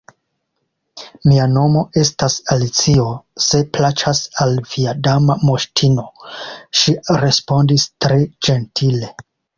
"Mia nomo estas Alicio, se plaĉas al via Dama Moŝtino," ŝi respondis tre ĝentile.